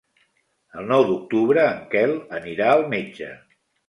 El nou d'octubre en Quel anirà al metge.